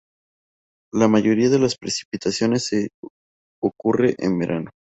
La mayoría de las precipitaciones se ocurre en verano.